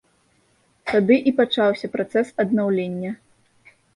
Тады і пачаўся працэс аднаўлення.